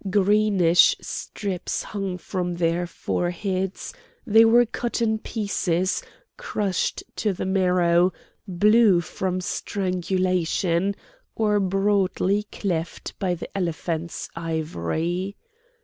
Greenish strips hung from their foreheads; they were cut in pieces, crushed to the marrow, blue from strangulation, or broadly cleft by the elephants' ivory.